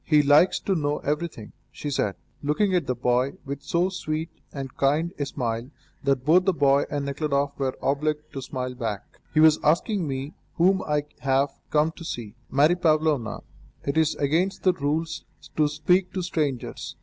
"He likes to know everything," she said, looking at the boy with so sweet and kind a smile that both the boy and Nekhludoff were obliged to smile back. "He was asking me whom I have come to see." "Mary Pavlovna, it is against the rules to speak to strangers.